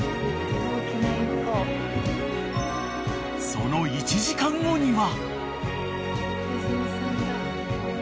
［その１時間後には］